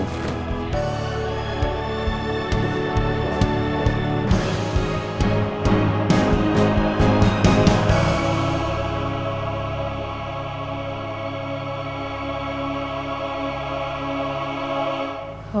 apa sih ibu